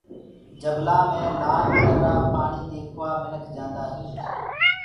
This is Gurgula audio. جبلآ مي لآر ڪرآ پآڻي ديکوآ منک جآندآ هينٚ۔